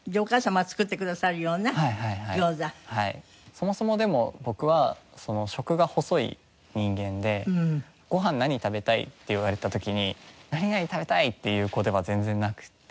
そもそもでも僕は食が細い人間で「ご飯何食べたい？」って言われた時に「何々食べたい」っていう子では全然なくて。